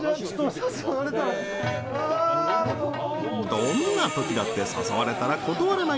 どんな時だって誘われたら断らない！